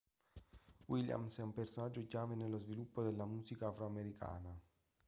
Williams è un personaggio chiave nello sviluppo della Musica afroamericana.